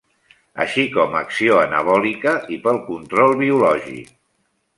Així com acció anabòlica i pel control biològic.